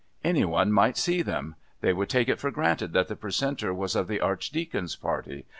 Any one might see them. They would take it for granted that the Precentor was of the Archdeacon's party.